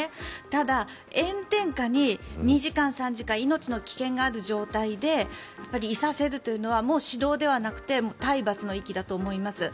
ただ、炎天下に２時間、３時間命の危険がある状態でいさせるというのはもう指導ではなくて体罰の域だと思います。